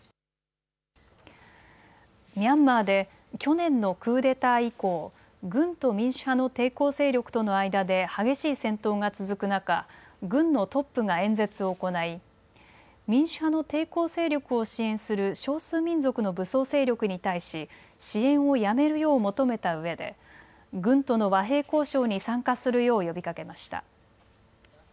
ミャンマーで去年のクーデター以降、軍と民主派の抵抗勢力との間で激しい戦闘が続く中、軍のトップが演説を行い民主派の抵抗勢力を支援する少数民族の武装勢力に対し支援をやめるよう求めたうえで軍との和平交渉に参加するよう呼びかけました。